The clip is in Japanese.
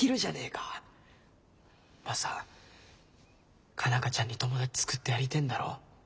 マサ佳奈花ちゃんに友達作ってやりてえんだろ？